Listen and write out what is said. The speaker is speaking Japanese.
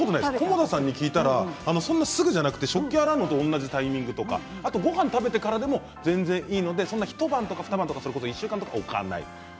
菰田さんに聞いたら食器、洗うのと同じタイミングとかごはんを食べてからでも全然いいので一晩二晩とか１週間とか置かない。